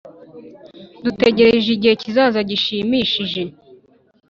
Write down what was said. Dutegereje igihe kizaza gishimishije